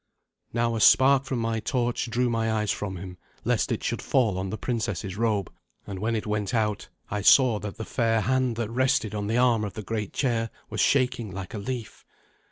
Now a spark from my torch drew my eyes from him, lest it should fall on the princess's robe; and when it went out, I saw that the fair hand that rested on the arm of the great chair was shaking like a leaf.